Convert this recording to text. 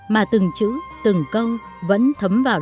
mà từng chữ từng câu vẫn thấm vào